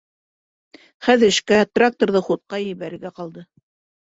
Хәҙер эшкә, тракторҙы ходҡа ебәрергә ҡалды.